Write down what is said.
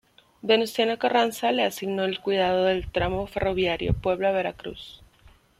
Venustiano Carranza le asignó el cuidado del tramo ferroviario Puebla-Veracruz.